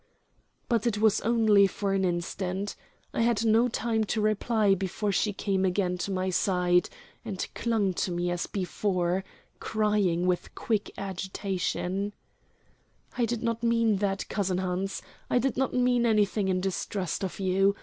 But it was only for an instant. I had not time to reply before she came again to my side and clung to me as before, crying with quick agitation: "I did not mean that, cousin Hans. I did not mean anything in distrust of you.